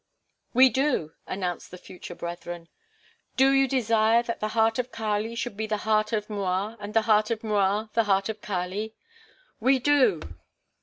"We do," announced the future brethren. "Do you desire that the heart of Kali should be the heart of M'Rua and the heart of M'Rua the heart of Kali?" "We do."